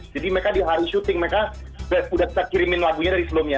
jadi mereka di hari syuting mereka udah kita kirimin lagunya dari sebelumnya